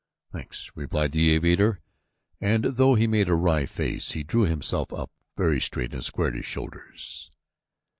"Thanks," replied the aviator and though he made a wry face, he drew himself up very straight and squared his shoulders.